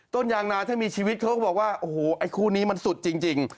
ต้นยางนาถ้ามีชีวิตเขาก็บอกว่าโอ้โหไอ้คู่นี้มันสุดจริง